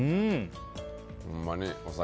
ほんまにお酒